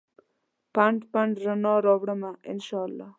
پنډ ، پنډ رڼا راوړمه ا ن شا الله